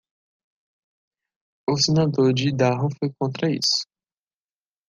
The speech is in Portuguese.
O senador de Idaho foi contra isso.